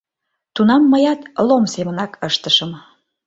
Тунам мыят Лом семынак ыштышым.